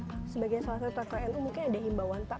sebagai salah satu tokoh yang mungkin ada himbauan pak